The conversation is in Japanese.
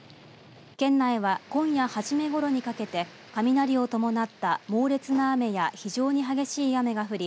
県内は今夜初めごろにかけて雷を伴った猛烈な雨や非常に激しい雨が降り